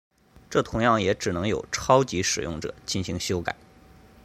这同样也只能由超级使用者进行修改。